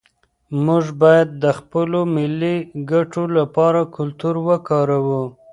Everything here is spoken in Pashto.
موږ باید د خپلو ملي ګټو لپاره کلتور وکاروو.